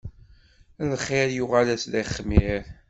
Lxir yuɣal-as d ixmir.